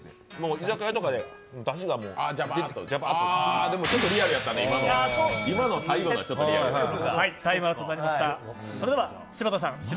居酒屋とかでだしがじゃばーっと入ってるものちょっとリアルやったね、今の、最後のリアルやった。